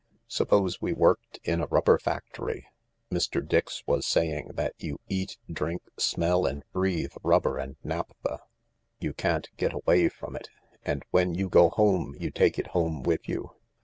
Suppose we worked in a rubber factory. Mr. Dix was saying that you eat, drink, smell, and breathe rubber and naphtha. You can't get away from it, and when you go home you take it home with you.